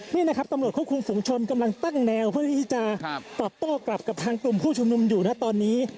นี่นะครับตำรวจควบคุมฝุงชนกำลังตั้งแนวเพื่อที่จะตอบโต้กลับกับทางกลุ่มผู้ชุมนุมอยู่นะตอนนี้